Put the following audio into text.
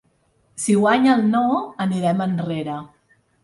Si guanya el no, anirem enrere.